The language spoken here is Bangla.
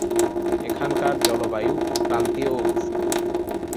এখানকার জলবায়ু ক্রান্তীয় ও উষ্ণ।